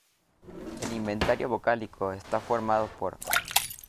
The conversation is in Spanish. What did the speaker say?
El inventario vocálico está formado por